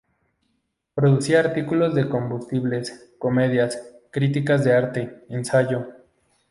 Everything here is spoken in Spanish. Producía artículos de costumbres, comedias, críticas de arte, ensayo.